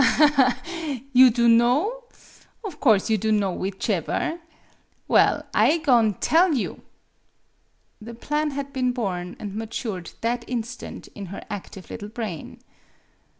"Aha, ha, ha! You dunwo? Of course you dunno whichever! Well I go'n' tell you." The plan had been born and ma tured that instant in her active little brain.